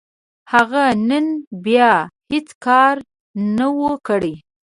هغه نن بيا هيڅ کار نه و، کړی.